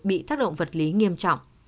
bị tác động vật lý nghiêm trọng